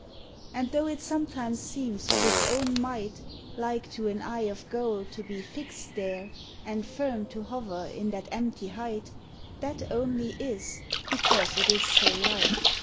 And though it sometimes seem of its own might Like to an eye of gold to be fixed there, And firm to hover in that empty height, That only is because it is so light.